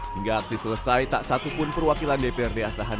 hingga aksi selesai tak satupun perwakilan dprd asahan